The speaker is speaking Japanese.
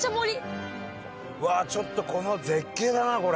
ちょっとこの絶景だなこれ。